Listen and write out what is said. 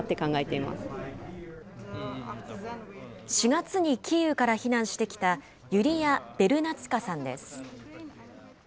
４月にキーウから避難してきたユリア・ベルナツィカさんです。